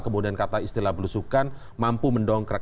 kemudian kata istilah belusukan mampu mendongkrak